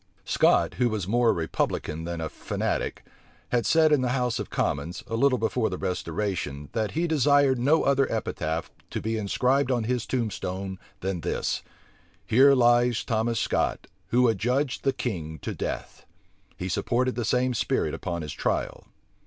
Scot, who was more a republican than a fanatic, had said in the house of commons, a little before the restoration, that he desired no other epitaph to be inscribed on his tombstone than this: "Here lies Thomas Scot, who adjudged the king to death." He supported the same spirit upon his trial.